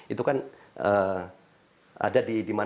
itu kan ada di mana